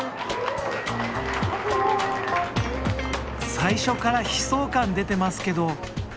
最初から悲壮感出てますけど。